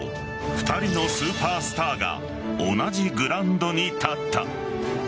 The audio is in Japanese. ２人のスーパースターが同じグラウンドに立った。